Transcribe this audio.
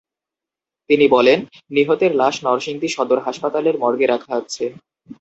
তিনি বলেন, নিহতের লাশ নরসিংদী সদর হাসপাতালের মর্গে রাখা আছে।